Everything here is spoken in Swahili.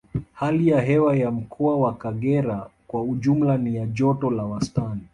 Hali ya hewa ya Mkoa wa Kagera kwa ujumla ni ya joto la wastani